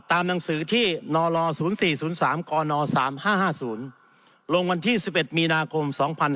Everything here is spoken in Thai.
หนังสือที่นล๐๔๐๓กน๓๕๕๐ลงวันที่๑๑มีนาคม๒๕๕๙